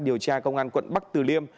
điều tra công an quận bắc từ liêm